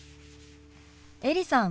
エリさん